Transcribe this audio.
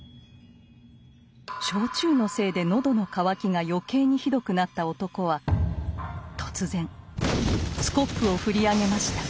焼酎のせいで喉の渇きが余計にひどくなった男は突然スコップを振り上げました。